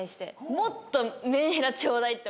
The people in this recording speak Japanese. もっとメンヘラちょうだいって。